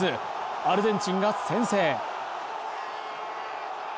アルゼンチンが先制。